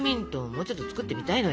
もうちょっと作ってみたいのよ。